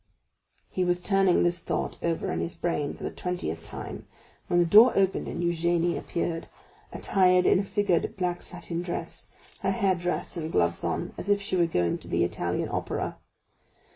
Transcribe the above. He was turning this thought over in his brain for the twentieth time, when the door opened and Eugénie appeared, attired in a figured black satin dress, her hair dressed and gloves on, as if she were going to the Italian Opera.